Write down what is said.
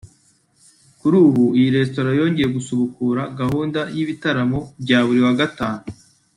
Kuri ubu iyi resitora yongeye gusubukura gahunda y’ibitaramo bya buri wa Gatanu